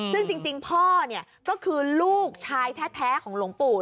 ซึ่งจริงพ่อก็คือลูกชายแท้ของหลวงปู่